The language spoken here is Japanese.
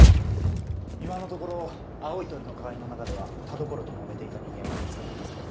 今のところ青い鳥の会員の中では田所ともめていた人間は見つかっていません。